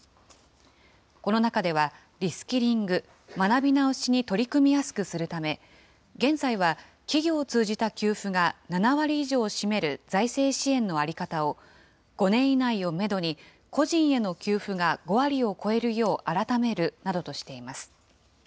この中では、リスキリング・学び直しに取り組みやすくするため、現在は企業を通じた給付が７割以上を占める財政支援の在り方を、５年以内をメドに個人への給付が５割を超えるよう改めるなどとしています。